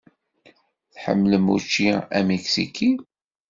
Tḥemmlem učči amiksiki?